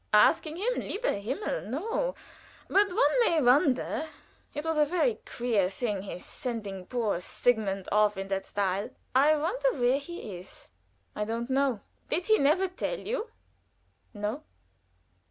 "Asking him lieber Himmel! no; but one may wonder It was a very queer thing his sending poor Sigmund off in that style. I wonder where he is." "I don't know." "Did he never tell you?" "No."